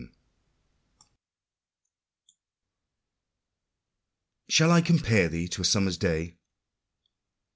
18 Shall I compare thee to a summer's day?